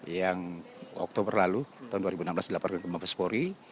yang oktober lalu tahun dua ribu enam belas dilaporkan ke mabespori